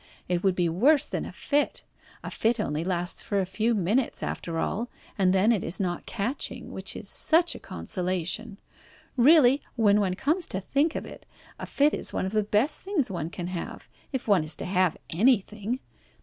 It would be worse than a fit. A fit only lasts for a few minutes after all, and then it is not catching, which is such a consolation. Really, when one comes to think of it, a fit is one of the best things one can have, if one is to have anything.